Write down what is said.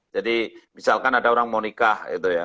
jadi misalkan ada orang mau nikah